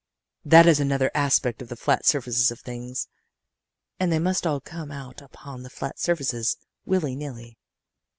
That is another aspect of the flat surfaces of things. And they must all come out upon the flat surfaces, willy nilly.